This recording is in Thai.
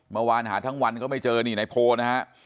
เมื่อวานหาทั้งวันก็ไม่เจอนี่ในโพลนะฮะ